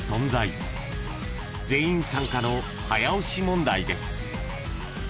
［全員参加の早押し問題です］